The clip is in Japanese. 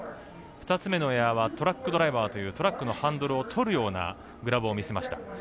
２つ目のエアはトラックドライバーというトラックのハンドルをとるようなグラブを見せました。